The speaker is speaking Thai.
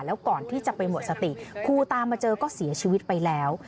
แล้วก่อนที่จะไปหมดสติครูตามมาเจอก็เสียชีวิตไปแล้ว